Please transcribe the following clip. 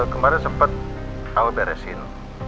kemarin sempet awal beresin